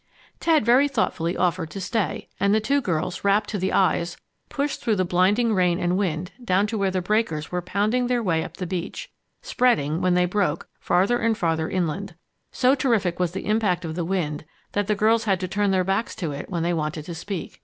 Ted very thoughtfully offered to stay, and the two girls, wrapped to the eyes, pushed through the blinding rain and wind down to where the breakers were pounding their way up the beach, spreading, when they broke, farther and farther inland. So terrific was the impact of the wind, that the girls had to turn their backs to it when they wanted to speak.